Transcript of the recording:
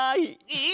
え！